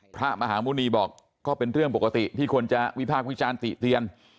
พระมหาหมู่นีบอกก็เป็นเรื่องปกติที่ควรจะวิภาคมิชาณสิทธิ์เตียน